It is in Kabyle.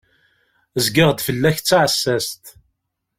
Zgiɣ-d fell-ak d taɛessast.